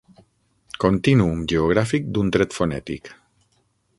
Contínuum geogràfic d'un tret fonètic.